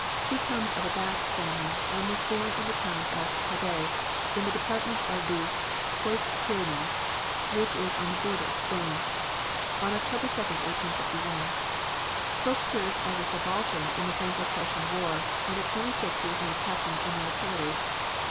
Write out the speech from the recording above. He comes of a Basque family and was born in the town of Tarbes, in the Department of the Hautes Pyrenees, which is on the border of Spain, on October 2, 1851. Foch served as a subaltern in the Franco Prussian War and at twenty six was made captain in the artillery.